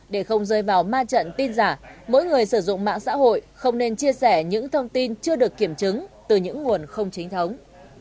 để không rơi vào ma trận tin giả mỗi người sử dụng mạng xã hội không nên chia sẻ những thông tin chưa được kiểm chứng từ những nguồn không chính thống